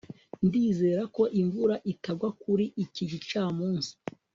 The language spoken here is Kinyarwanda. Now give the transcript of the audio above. ndizera ko imvura itagwa kuri iki gicamunsi